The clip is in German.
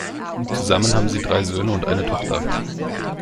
Zusammen haben sie drei Söhne und eine Tochter.